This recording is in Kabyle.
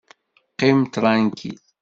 Qqim tṛankil!